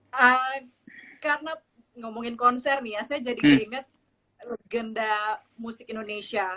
mas adi karena ngomongin konser nih ya saya jadi teringat legenda musik indonesia